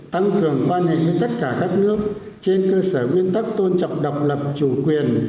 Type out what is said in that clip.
tăng cường quan hệ với tất cả các nước trên cơ sở nguyên tắc tôn trọng độc lập chủ quyền